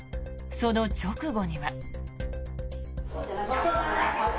その直後には。